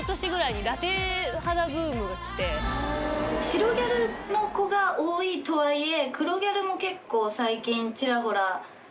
白ギャルの子が多いとはいえ。